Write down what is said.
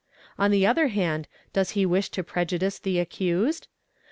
On the other hand, does he wish to prejudice the accused?